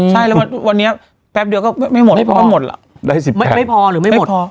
ใช่แล้ววันนี้แป๊บเดี๋ยวก็ไม่พอไม่พอหรือไม่หมด